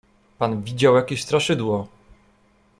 "Pan widział jakieś straszydło!"